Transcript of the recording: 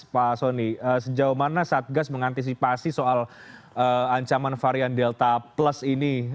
pak soni sejauh mana satgas mengantisipasi soal ancaman varian delta plus ini